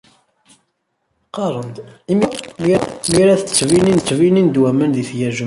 Qqaren-d: "Imi tcebḥeḍ, mi ara tettesseḍ ttbinin-d waman di tgerjumtim."